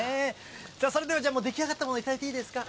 さあ、それでは出来上がったもの、頂いていいですか？